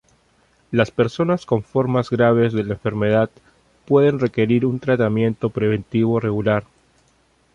Las personas con formas graves de la enfermedad pueden requerir un tratamiento preventivo regular.